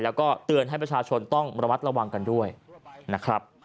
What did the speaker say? แล้วก็เตือนให้ประชาชนต้องระมัดระวังกันด้วยนะครับ